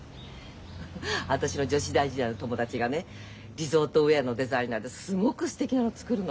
私の女子大時代の友達がねリゾートウエアのデザイナーですごくすてきなの作るの。